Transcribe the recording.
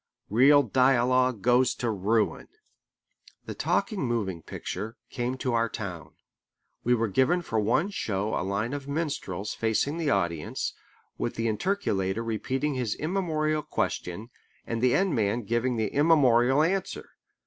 Real dialogue goes to ruin. The talking moving picture came to our town. We were given for one show a line of minstrels facing the audience, with the interlocutor repeating his immemorial question, and the end man giving the immemorial answer.